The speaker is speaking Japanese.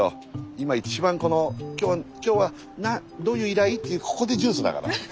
今一番この「今日はどういう依頼？」ってここでジュースだから。